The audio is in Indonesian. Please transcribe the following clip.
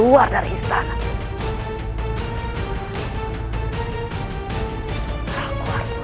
wah dimana kau